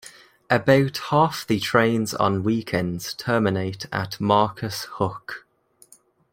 About half the trains on weekends terminate at Marcus Hook.